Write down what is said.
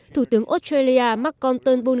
thủ tướng australia macron turnbull